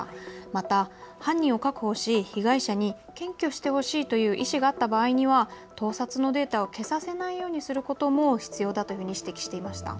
また犯人を確保し被害者に検挙してほしいという意志があった場合には盗撮のデータを消させないようにすることも必要だとしてきていました。